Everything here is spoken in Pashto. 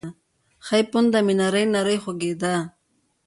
ښۍ پونده مې نرۍ نرۍ خوږېده.